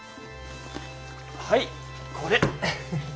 はいこれ。